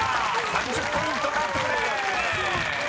３０ポイント獲得です］